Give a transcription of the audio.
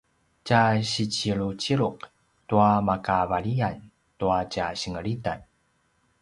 tja siciluciluq tua makavaljayan tua tja singelitan